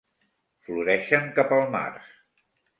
Floreixen cap al març.